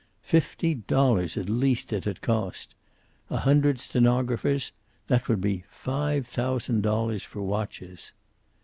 Fifty dollars at least it had cost. A hundred stenographers that would be five thousand dollars for watches.